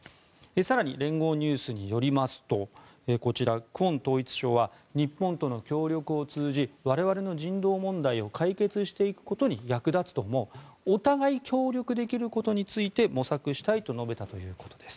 更に、連合ニュースによりますとこちら、クォン統一相は日本との協力を通じ我々の人道問題を解決していくことに役立つと思うお互い協力できることについて模索したいと述べたということです。